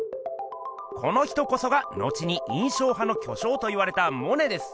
この人こそが後に印象派の巨匠といわれたモネです。